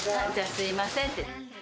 すみませんって。